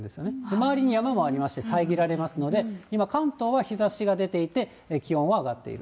周りに山もありまして、さえぎられますので、今、関東は日ざしが出ていて、気温は上がっている。